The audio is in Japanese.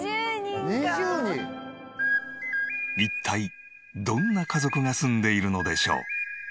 一体どんな家族が住んでいるのでしょう？